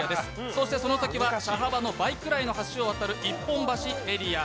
そしてその先は車幅の倍くらいの橋を渡る一本橋エリア。